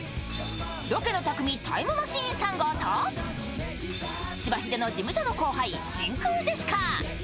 ロケの匠、タイムマシーン３号としばひでの事務所の後輩・真空ジェシカ。